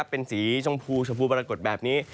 เป็นสีชมพูชมพูปรากฏแบบนี้